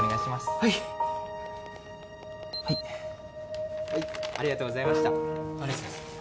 はいはい・はいありがとうございました